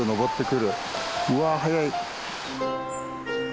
うわ速い！